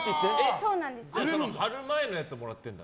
貼る前のやつをもらってるの？